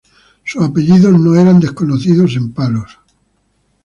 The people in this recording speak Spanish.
Sus apellidos no eran desconocidos en Palos.